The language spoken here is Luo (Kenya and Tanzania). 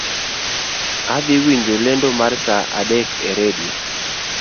Adhii winjo lendo mar saa adek e radio